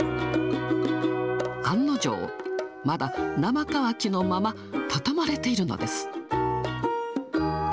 案の定、まだ生乾きのまま畳まれているのです。